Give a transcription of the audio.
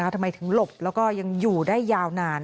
ทำไมถึงหลบแล้วก็ยังอยู่ได้ยาวนาน